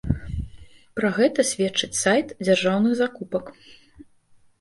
Пра гэта сведчыць сайт дзяржаўных закупак.